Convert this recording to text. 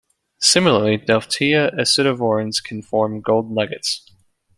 Similarly, Delftia acidovorans can form gold nuggets.